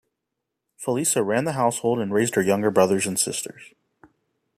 Felisa ran the household and raised her younger brothers and sisters.